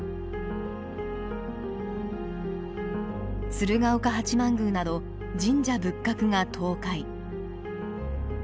鶴岡八幡宮など神社仏閣が倒壊。